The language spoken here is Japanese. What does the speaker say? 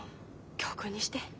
教訓にして。